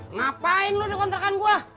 ngapain lu dikontrakan gue